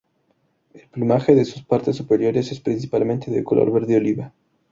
El plumaje de sus partes superiores es principalmente de color verde oliva.